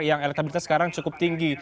yang elektabilitas sekarang cukup tinggi